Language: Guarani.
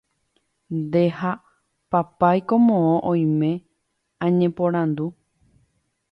nde ha papáiko moõ oime añeporandu